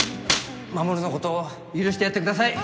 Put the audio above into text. マモルのこと許してやってください